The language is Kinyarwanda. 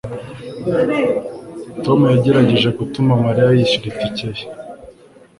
tom yagerageje gutuma mariya yishyura itike ye